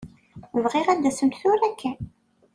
Bɣiɣ ad d-tasemt tura kan.